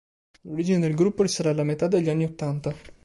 L'origine del gruppo risale alla metà degli anni ottanta.